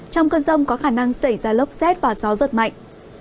trong cơn rông có khả năng xảy ra lốc xét và gió giật mạnh